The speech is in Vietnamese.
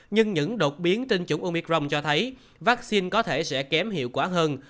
nhưng những đột biến trên chủng omicron cho thấy vaccine có thể sẽ kém hiệu quả hơn